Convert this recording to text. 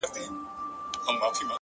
زه يې رسته نه منم عقل چي جهرچي دی وايي!